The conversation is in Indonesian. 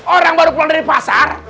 orang baru pulang dari pasar